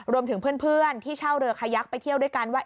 รวมถึงเพื่อนที่เช่าเรือขยักไปเที่ยวด้วยกันว่า